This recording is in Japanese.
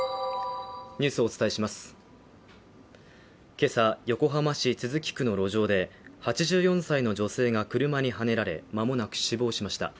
今朝、横浜市都筑区の路上で８４歳の女性が車にはねられ間もなく死亡しました。